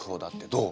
どう？